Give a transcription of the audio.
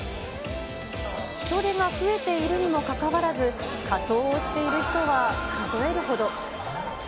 人出が増えているにもかかわらず、仮装をしている人は数えるほど。